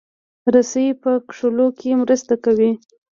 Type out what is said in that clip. رسۍ په کښلو کې مرسته کوي.